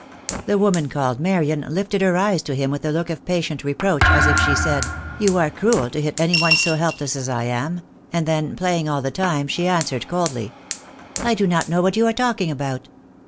The woman called Marian lifted her eyes to him with a look of patient reproach, as if she said, "You are cruel to hit any one so helpless as I am," and then, playing all the time, she answered coldly, — "I do not know what you are talking about."